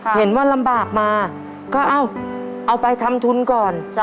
เห็นว่าลำบากมาก็เอาไปทำทุนก่อน